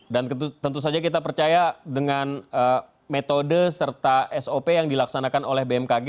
dan tentu saja kita percaya dengan metode serta sop yang dilaksanakan oleh bmkg